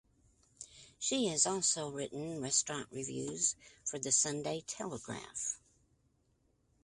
She has also written restaurant reviews for "The Sunday Telegraph".